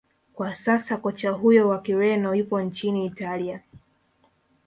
kwa sasa kocha huyo wa kireno yupo nchini italia